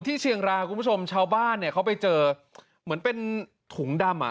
เชียงราคุณผู้ชมชาวบ้านเนี่ยเขาไปเจอเหมือนเป็นถุงดำอ่ะ